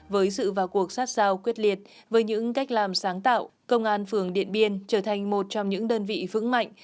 với sự vào cuộc sát sao quyết liệt với những cách làm sáng tạo công an phường điện biên trở thành một trong những đơn vị vững mạnh